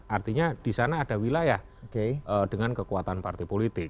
artinya disana ada wilayah dengan kekuatan partai politik